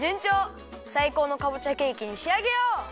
さいこうのかぼちゃケーキにしあげよう！